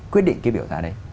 quyết định cái biểu giá đấy